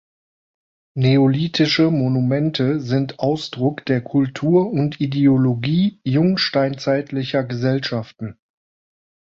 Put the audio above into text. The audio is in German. Neolithische Monumente sind Ausdruck der Kultur und Ideologie jungsteinzeitlicher Gesellschaften.